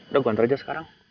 udah gue antar aja sekarang